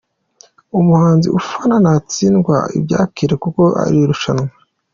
Umuhanzi ufana natsindwa ubyakire kuko iri ni irushanwa.